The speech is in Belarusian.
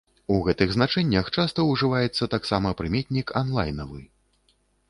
У гэтых значэннях часта ўжываецца таксама прыметнік анлайнавы.